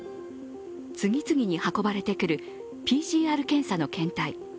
次々に運ばれてくるＰＣＲ検査の検体